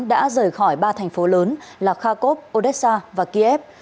đã rời khỏi ba thành phố lớn là khakov odessa và kiev